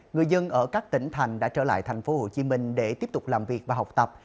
người dân ở các tỉnh thành đã trở lại thành phố hồ chí minh để tiếp tục làm việc và học tập